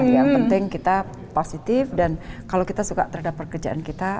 yang penting kita positif dan kalau kita suka terhadap pekerjaan kita